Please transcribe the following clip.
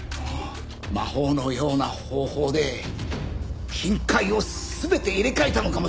魔法のような方法で金塊を全て入れ替えたのかもしれない。